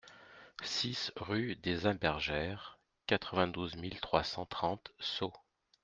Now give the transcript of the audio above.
six rue des Imbergères, quatre-vingt-douze mille trois cent trente Sceaux